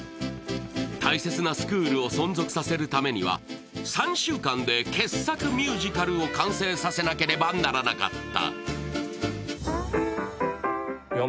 大切なスクールを存続させるためには３週間で傑作ミュージカルを完成させなければならなかった。